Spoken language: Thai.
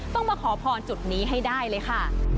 ต้องมาขอพรจุดนี้ให้ได้เลยค่ะ